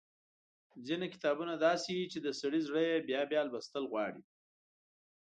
ځينې کتابونه داسې وي چې د سړي زړه يې بيا بيا لوستل غواړي۔